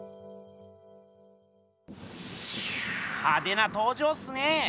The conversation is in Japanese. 派手な登場っすね！